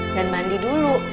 dan mandi dulu